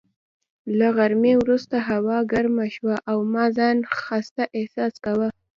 له غرمې وروسته هوا ګرمه شوه او ما ځان خسته احساس کاوه.